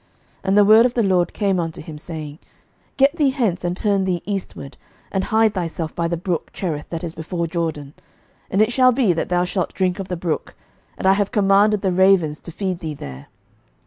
11:017:002 And the word of the LORD came unto him, saying, 11:017:003 Get thee hence, and turn thee eastward, and hide thyself by the brook Cherith, that is before Jordan. 11:017:004 And it shall be, that thou shalt drink of the brook; and I have commanded the ravens to feed thee there.